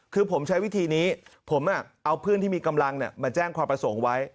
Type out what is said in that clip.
คือผมใช้วิธีนี้ผมเอาเพื่อนที่มีกำลังมาแจ้งความประสงค์ไว้